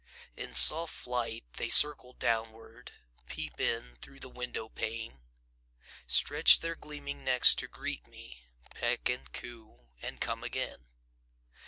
In soft flight, they circle downward, Peep in through the window pane; Stretch their gleaming necks to greet me, Peck and coo, and come again.